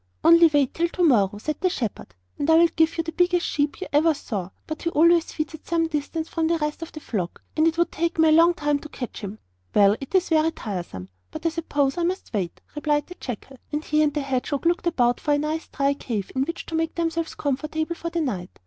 'Only wait till to morrow,' said the shepherd, 'and I will give you the biggest sheep you ever saw. But he always feeds at some distance from the rest of the flock, and it would take me a long time to catch him.' 'Well, it is very tiresome, but I suppose I must wait,' replied the jackal. And he and the hedgehog looked about for a nice dry cave in which to make themselves comfortable for the night.